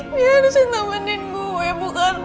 dia harusnya temenin gue bukan lo rik